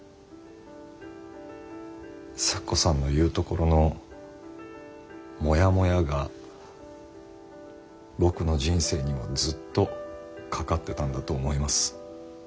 咲子さんの言うところのモヤモヤが僕の人生にもずっとかかってたんだと思います。